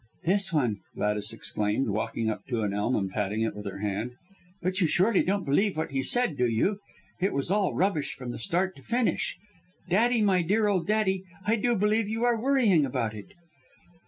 "This one," Gladys exclaimed, walking up to an elm, and patting it with her hand, "but you surely don't believe what he said, do you? It was all rubbish from start to finish. Daddy, my dear old Daddy, I do believe you are worrying about it."